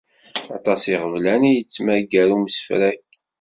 Aṭas iɣeblan i yettmagar umsefrak.